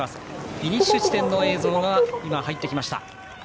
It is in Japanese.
フィニッシュ地点の映像が入ってきました。